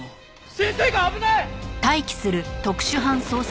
先生が危ない！